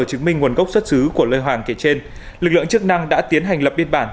chứng minh nguồn gốc xuất xứ của lô hàng kể trên lực lượng chức năng đã tiến hành lập biên bản